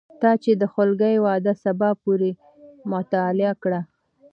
تا چې د خولګۍ وعده سبا پورې معطله کړه